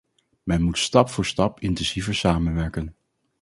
Men moet stap voor stap intensiever samenwerken.